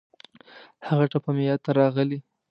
هغه ټپه مې یاد ته راغلې.